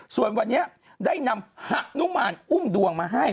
ส่วนวันนี้ได้นำหะนุมานอุ้มดวงมาให้